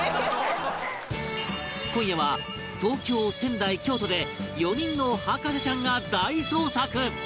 今夜は東京仙台京都で４人の博士ちゃんが大捜索！